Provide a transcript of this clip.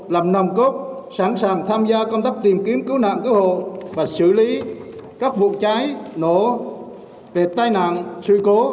làm nằm cốt sẵn sàng tham gia công tác tìm kiếm cứu nạn cứu hộ và xử lý các vụ cháy nổ tệ tai nạn suy cố